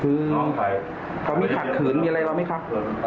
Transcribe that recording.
คือเขามีขัดถือมีอะไรรอมั้ยครับ